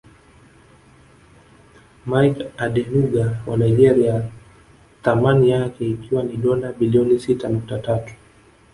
Mike Adenuga wa Nigeria thamani yake ikiwa ni dola bilioni sita nukta tatu